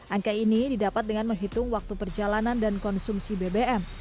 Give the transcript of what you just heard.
angka ini didapat dengan menghitung waktu perjalanan dan konsumsi bbm